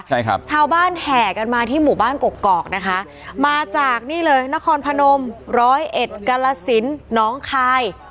ใช่ครับชาวบ้านแห่กันมาที่หมู่บ้านกกอกนะคะมาจากนี่เลยนครพนมร้อยเอ็ดกรสินน้องคาย